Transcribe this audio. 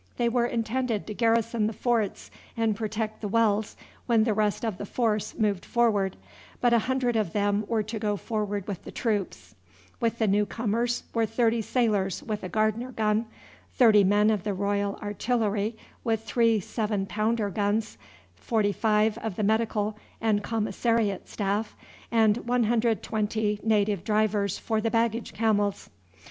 They were intended to garrison the forts and protect the wells when the rest of the force moved forward, but a hundred of them were to go forward with the troops. With the new comers were 30 sailors with a Gardner gun, 30 men of the Royal Artillery with three 7 pounder guns, 45 of the Medical and Commissariat Staff, and 120 native drivers for the baggage camels.